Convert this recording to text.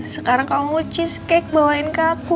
sekarang kamu cheesecake bawain ke aku